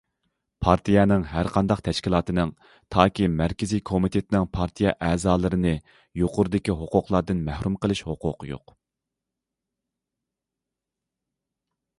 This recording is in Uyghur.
پارتىيەنىڭ ھەرقانداق تەشكىلاتىنىڭ، تاكى مەركىزىي كومىتېتنىڭ پارتىيە ئەزالىرىنى يۇقىرىدىكى ھوقۇقلاردىن مەھرۇم قىلىش ھوقۇقى يوق.